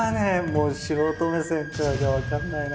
もう素人目線からじゃ分かんないな。